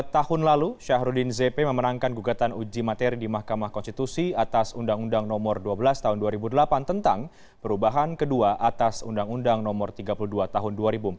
dua puluh tahun lalu syahrudin zp memenangkan gugatan uji materi di mahkamah konstitusi atas undang undang nomor dua belas tahun dua ribu delapan tentang perubahan kedua atas undang undang no tiga puluh dua tahun dua ribu empat belas